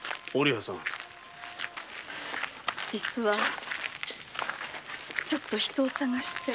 実はちょっと人を捜して。